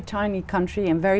nơi một số đại diện